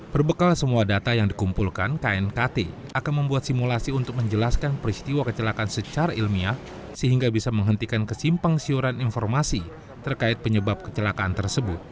berbekal semua data yang dikumpulkan knkt akan membuat simulasi untuk menjelaskan peristiwa kecelakaan secara ilmiah sehingga bisa menghentikan kesimpang siuran informasi terkait penyebab kecelakaan tersebut